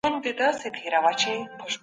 ډیپلوماټیک پیغامونه باید له ابهام څخه پاک وي.